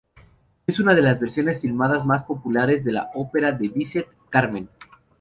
Es una de las versiones filmadas más populares de la ópera de Bizet "Carmen".